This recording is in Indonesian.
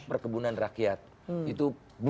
perkebunan rakyat itu